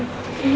selamat malam bu